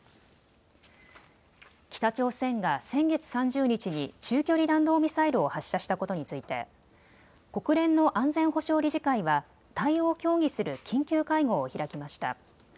北朝鮮が先月３０日に中距離弾道ミサイルを発射したことについて、国連の安全保障理事会は対応を協議する緊急会合を開きました。